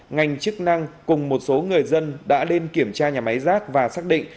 ngành chức năng cùng một số người dân đã lên kiểm tra nhà máy rác và xác định